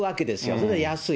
それで安い。